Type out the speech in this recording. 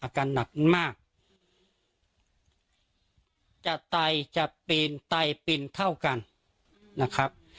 อาการหนักมากจะไตจะปีนไตปีนเท่ากันนะครับ